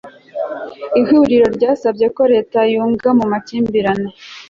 ihuriro ryasabye ko leta yunga mu makimbirane